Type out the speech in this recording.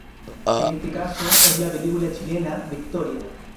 En este caso es la película chilena "Victoria".